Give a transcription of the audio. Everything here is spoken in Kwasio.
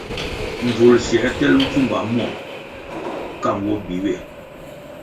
Mbvul siē tel mpfumba mwo ka nwo bi ywe.